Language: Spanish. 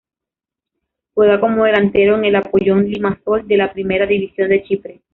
Juega como delantero en el Apollon Limassol de la Primera División de Chipre.